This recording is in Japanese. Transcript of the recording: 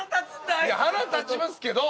腹立ちますけど。